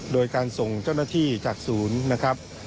โดยการส่งเจ้าหน้าที่จากศูนย์นะครับ